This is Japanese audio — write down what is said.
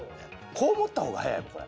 こう持った方が早いわこれ。